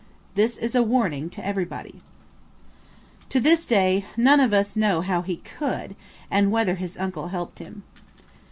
This is a warning to everybody." To this day none of us know how he could, and whether his uncle helped him.